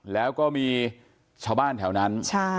แล้วก็มีชาวบ้านแถวนั้น